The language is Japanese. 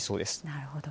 なるほど。